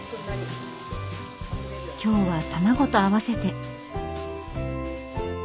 今日は卵と合わせて。